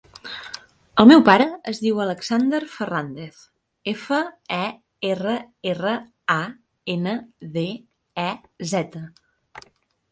El meu pare es diu Alexander Ferrandez: efa, e, erra, erra, a, ena, de, e, zeta.